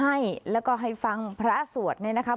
เอาน้ำมนต์มาพรมให้แล้วก็ให้ฟังพระสวดนี่นะครับ